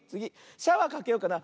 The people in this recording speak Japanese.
シャワーかけようかな。